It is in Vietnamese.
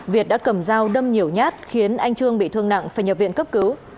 việt đã cầm dao đâm nhiều nhát khiến anh trương bị thương nặng phải nhập viện cấp cứu